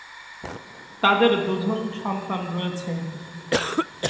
তাদের দু'জন সন্তান রয়েছে।